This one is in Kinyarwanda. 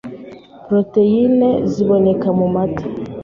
Proteyine ziboneka mu mata